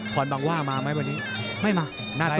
คอนบังว่ามามั้ยวันนี้ไม่มาหน้าตู้หรอ